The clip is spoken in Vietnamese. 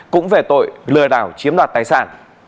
cũng về tội lừa đảo chiếm đoạt tài sản